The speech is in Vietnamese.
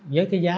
với cái giá